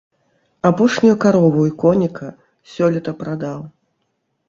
Апошнюю карову і коніка сёлета прадаў.